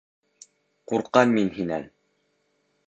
Ҡурҡам мин һинән.